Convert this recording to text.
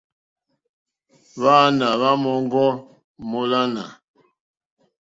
Hwáāná hwá má òŋɡô mólánà.